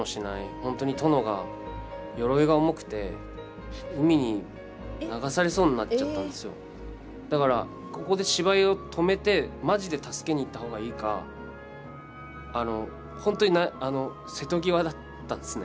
本当に殿がだから、ここで芝居を止めてまじで助けに行った方がいいか本当に瀬戸際だったんすね。